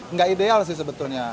nggak ideal sih sebetulnya